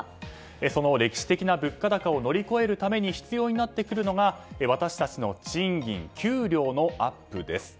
その歴史的な物価高を乗り越えるために必要になってくるのが私たちの賃金、給料のアップです。